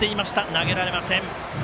投げられません。